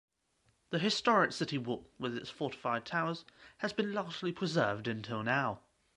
The historic city wall with its fortified towers has been largely preserved until now.